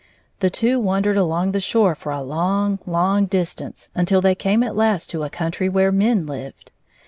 The two wandered along the shore for a long, long distance, until they came at last to a country where men Uved.